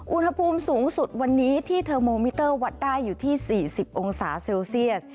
อุณหภูมิสูงสุดวันนี้ที่เทอร์โมมิเตอร์วัดได้อยู่ที่๔๐องศาเซลเซียส